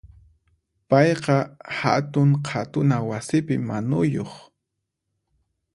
Payqa hatun qhatuna wasipi manuyuq.